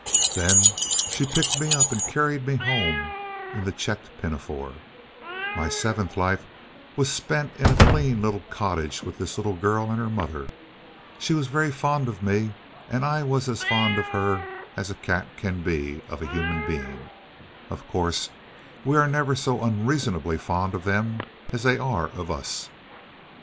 Then she picked me up and carried me home in the checked pinafore. My seventh life was spent in a clean little cottage with this little girl and her mother. She was very fond of me, and I was as fond of her as a cat can be of a human being. Of course, we are never so unreasonably fond of them as they are of us."